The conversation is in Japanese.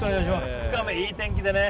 ２日目、いい天気で。